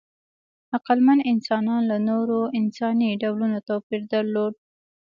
عقلمن انسانان له نورو انساني ډولونو توپیر درلود.